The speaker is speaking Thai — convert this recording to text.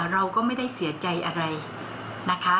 เราก็ไม่ได้เสียใจอะไรนะคะ